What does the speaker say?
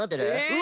え！